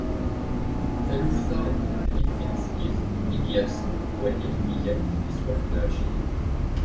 Taluft-a n tneflit timezgit i d-yersen deg wahil tigawt tis waḥedd u ɛecrin.